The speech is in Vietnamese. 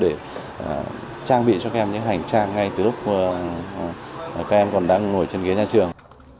để trang bị cho các em những hành trang ngay từ lúc các em còn đang ngồi trên ghế nhà trường